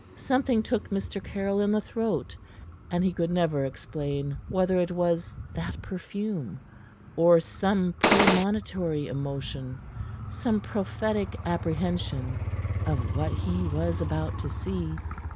Something took Mr. Caryll in the throat, and he could never explain whether it was that perfume or some premonitory emotion, some prophetic apprehension of what he was about to see.